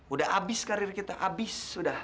udah abis karir kita abis